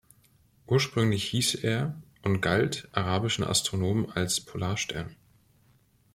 Ursprünglich hieß er und galt arabischen Astronomen als Polarstern.